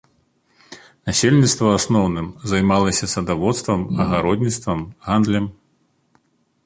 Насельніцтва ў асноўным займалася садаводствам, агародніцтвам, гандлем.